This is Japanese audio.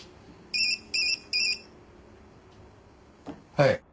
はい。